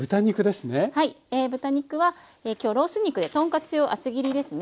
豚肉は今日ロース肉で豚カツ用厚切りですね。